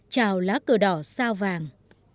chào lá cờ đỏ sao vàng